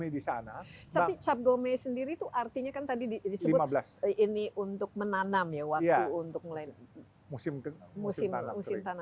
di sana tapi cap gome sendiri itu artinya kan tadi di lima belas ini untuk menanam ya waktu untuk musim musim